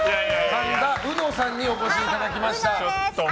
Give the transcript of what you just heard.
神田うのさんにお越しいただきました。